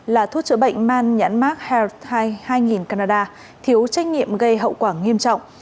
là thuốc chữa bệnh man nhãn mark health hai nghìn canada thiếu trách nhiệm gây hậu quả nghiêm trọng